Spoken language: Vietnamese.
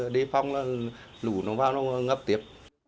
đề phong là lũ nó vào nó ngấp tiếp